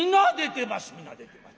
「皆出てます